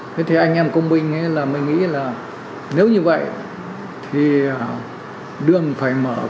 thế thì anh em công minh mới nghĩ là nếu như vậy thì đường phải mở ra